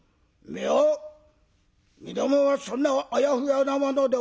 「いや身共はそんなあやふやなものではない。